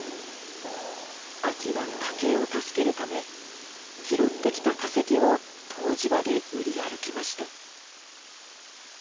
あきは家計を助けるため拾ってきた化石を湯治場で売り歩きました。